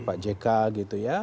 pak jk gitu ya